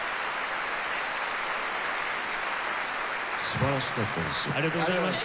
素晴らしかったです。